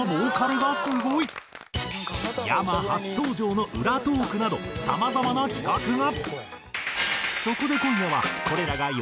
ｙａｍａ初登場の裏トークなど様々な企画が！